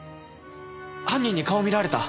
犯人に顔見られた。